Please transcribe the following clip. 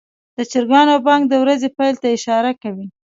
د چرګانو بانګ د ورځې پیل ته اشاره کوي.